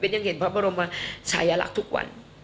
เบสยังเห็นพรรณพรหมชายรักทุกวัน